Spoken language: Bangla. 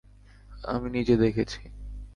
আমি নিজে দেখেছি।